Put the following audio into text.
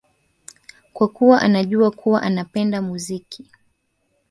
kwa kuwa anajua kuwa anapenda muziki